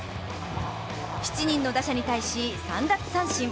７人の打者に対し３奪三振。